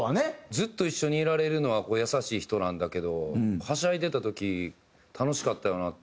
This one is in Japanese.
ずっと一緒にいられるのは優しい人なんだけどはしゃいでた時楽しかったよなって。